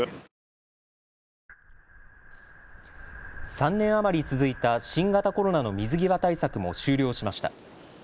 ３年余り続いた新型コロナの水際対策も終了しました。